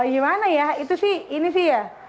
gimana ya itu sih ini sih ya